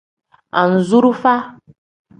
Anzurufa.